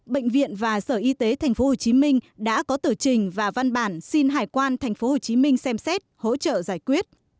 bệnh viện và sở y tế tp hcm đã có tờ trình và văn bản xin hải quan tp hcm xem xét hỗ trợ giải quyết